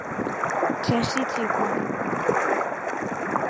Chashi chikwa.